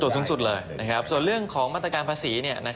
ส่วนสูงสุดเลยส่วนเรื่องของมาตรการภาษี